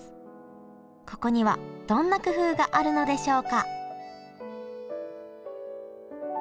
ここにはどんな工夫があるのでしょうか？